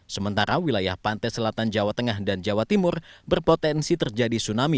sementara wilayah pantai selatan jawa tengah dan jawa timur berpotensi terjadi tsunami